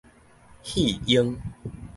肺癭